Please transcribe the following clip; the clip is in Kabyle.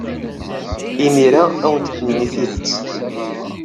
Imir-a ad awent-d-nini tidet.